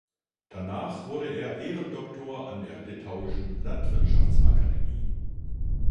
Danach wurde er Ehrendoktor an der Litauischen Landwirtschaftsakademie.